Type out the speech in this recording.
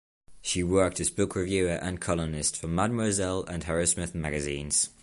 She worked as book reviewer and columnist for "Mademoiselle" and "Harrowsmith" magazines.